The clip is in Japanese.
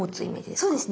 そうですね。